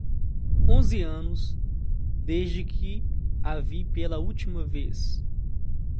Onze anos desde que a vi pela última vez